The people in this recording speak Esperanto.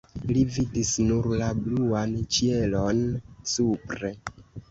Li vidis nur la bluan ĉielon supre.